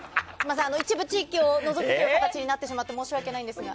一部地域を除くという形になってしまって申し訳ないんですが。